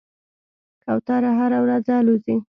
کوتره هره ورځ الوځي.